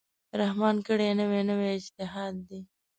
رحمان کړی، نوی نوی اجتهاد دی